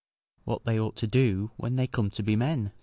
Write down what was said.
"What they ought to do when they come to be men," said he.